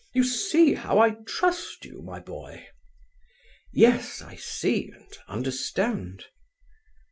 You see how I trust you, my boy." "Yes, I see and understand."